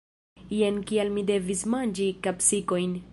Jen kial mi devis manĝi kapsikojn.